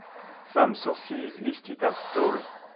Some sources list it as tall.